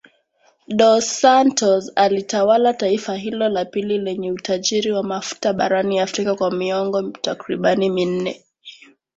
Dos Santos alitawala taifa hilo la pili lenye utajiri wa mafuta barani Afrika kwa miongo takriban minne